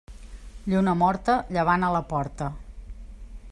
Lluna morta, llevant a la porta.